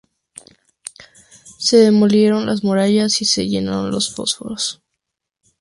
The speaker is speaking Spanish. Se demolieron las murallas y se llenaron los fosos.